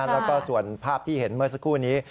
แล้วก็ส่วนภาพที่เห็นเมื่อสักครู่นี้